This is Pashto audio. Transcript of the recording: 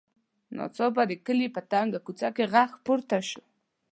ناڅاپه د کلي په تنګه کوڅه کې غږ پورته شو.